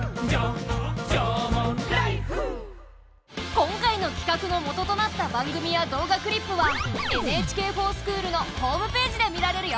今回の企画のもととなった番組や動画クリップは「ＮＨＫｆｏｒＳｃｈｏｏｌ」のホームページで見られるよ。